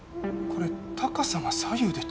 これ高さが左右で違う！